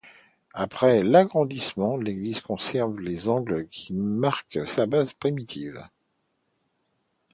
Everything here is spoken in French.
Après l'agrandissement, l'église conserve les angles qui marquent sa base primitive.